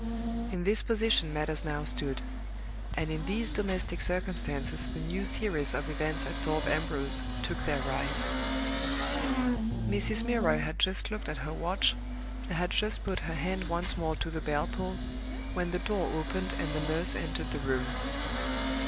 In this position matters now stood; and in these domestic circumstances the new series of events at Thorpe Ambrose took their rise. Mrs. Milroy had just looked at her watch, and had just put her hand once more to the bell pull, when the door opened and the nurse entered the room.